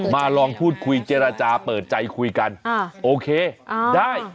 ลองพูดคุยเจรจาเปิดใจคุยกันโอเคได้